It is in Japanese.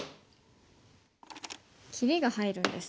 切りが入るんですね。